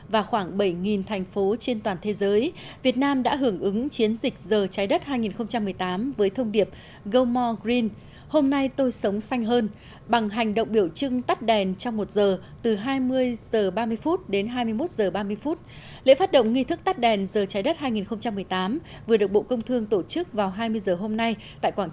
và khoảng bảy thành phố hải phòng đã tạo ra một lĩnh vực tổ chức tọa đàm